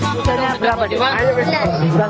misalnya berapa iwan